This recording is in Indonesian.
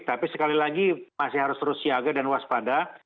tapi sekali lagi masih harus terus siaga dan waspada